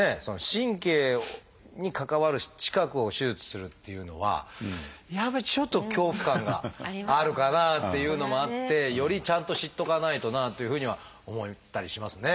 神経に関わる近くを手術するっていうのはやっぱりちょっと恐怖感があるかなっていうのもあってよりちゃんと知っとかないとなというふうには思ったりしますね。